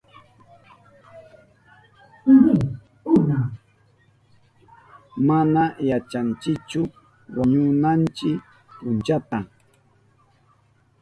Mana yachanchichu wañunanchi punchata.